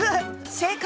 正解。